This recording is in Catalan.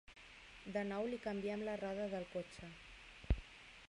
De nou li canviem la roda del cotxe.